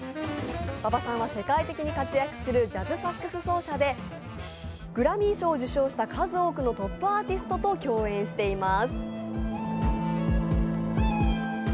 馬場さんは世界的に活躍するジャズサックス奏者でグラミー賞を受賞した数多くのトップアーティストと共演しています。